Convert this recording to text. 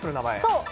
そう。